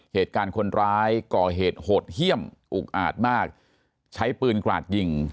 เหตุการณ์คนร้ายก่อเหตุโหดเยี่ยมอุกอาจมากใช้ปืนกราดยิง